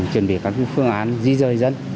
chuẩn bị các phương án di rời dân